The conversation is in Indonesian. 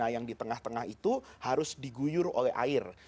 karena itu harus diguyur oleh air